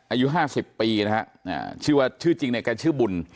อายุ๕๐ปีนะฮะชื่อว่าชื่อจริงเนี่ยแกชื่อบุญ